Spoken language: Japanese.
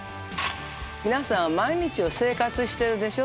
皆さんは毎日を生活してるでしょ。